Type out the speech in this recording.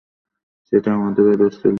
সেটা আমারই দোষ ছিল।